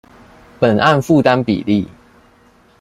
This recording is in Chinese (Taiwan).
本案負擔比例